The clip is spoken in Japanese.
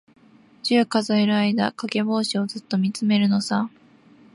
十、数える間、かげぼうしをじっとみつめるのさ。